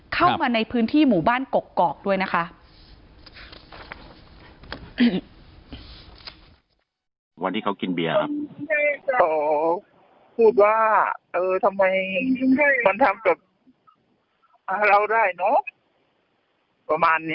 เข้ามาในพื้นที่หมู่บ้านกกอกด้วยนะคะ